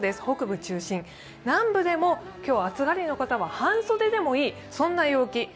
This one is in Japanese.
北部中心南部でも今日、暑がりの方は半袖でもいい陽気。